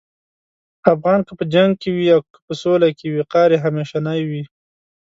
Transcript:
افغان که په جنګ کې وي که په سولې کې، وقار یې همیشنی وي.